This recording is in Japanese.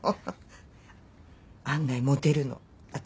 案外モテるの私。